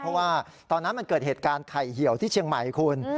เพราะว่าตอนนั้นมันเกิดเหตุการณ์ไข่เหี่ยวที่เชียงใหม่คุณ